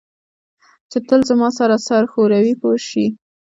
چې تل زما سره سر ښوروي پوه شوې!.